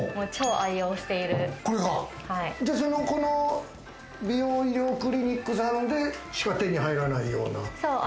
じゃあこの美容医療クリニックさんでしか手に入らないような？